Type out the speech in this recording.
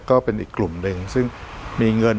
ก็เป็นอีกกลุ่มหนึ่งซึ่งมีเงิน